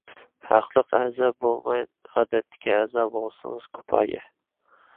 ھەقلىق ئەزا بولماي ئادەتتىكى ئەزا بولسىڭىز كۇپايە.